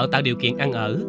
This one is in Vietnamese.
tạo điều kiện ăn ở